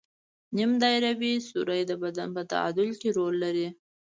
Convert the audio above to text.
نیم دایروي سوري د بدن په تعادل کې رول لري.